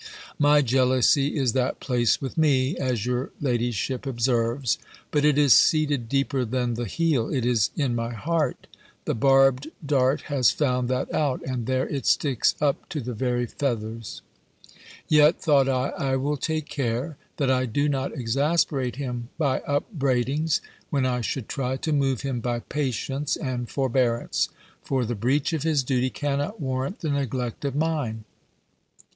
My jealousy is that place with me, as your ladyship observes; but it is seated deeper than the heel: it is in my heart. The barbed dart has found that out, and there it sticks up to the very feathers. "Yet," thought I, "I will take care, that I do not exasperate him by upbraidings, when I should try to move him by patience and forbearance. For the breach of his duty cannot warrant the neglect of mine.